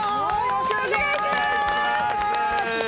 よろしくお願いします！